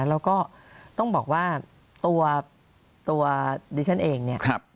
แล้วก็ต้องบอกว่าตัวตัวดิฉันเองเนี้ยครับ